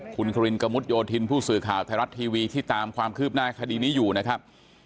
คุณครินกระมุดโยธินผู้สื่อข่าวไทยรัฐทีวีที่ตามความคืบหน้าคดีนี้อยู่นะครับ